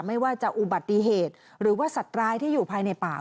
ไม่ว่าจะอุบัติเหตุหรือว่าสัตว์ร้ายที่อยู่ภายในป่า